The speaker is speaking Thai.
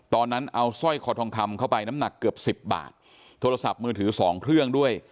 ตอนนั้นเอาสร้อยคอทองคำเข้าไปน้ำหนักเกือบสิบบาทโทรศัพท์มือถือสองเครื่องด้วย